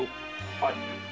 はい。